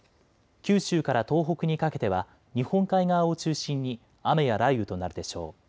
九州から東北にかけては日本海側を中心に雨や雷雨となるでしょう。